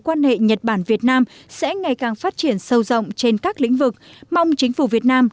quan hệ nhật bản việt nam sẽ ngày càng phát triển sâu rộng trên các lĩnh vực mong chính phủ việt nam